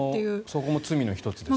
そこも罪の１つですね。